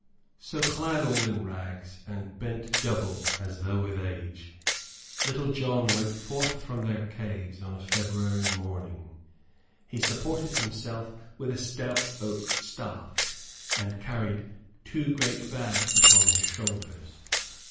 So clad all in rags, and bent double as though with age, Little John went forth from their caves upon a February morning. He supported himself with a stout oak staff, and carried two great bags upon his shoulders.